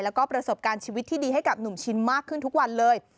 แล้วก็ประสบการณ์ชีวิตที่ดีให้กับหนุ่มชินมากขึ้นทุกวันเลย